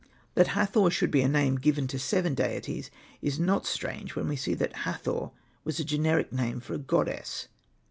That Hathor should be a name given to seven deities is not strange when we see that Hathor was a generic name for a goddess.